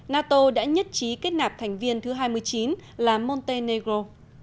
nato đã nhất trí kết nạp thành viên thứ hai mươi chín là montenegro